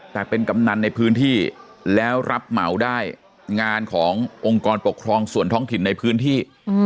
แต่เป็นกำนันในพื้นที่แล้วรับเหมาได้งานขององค์กรปกครองส่วนท้องถิ่นในพื้นที่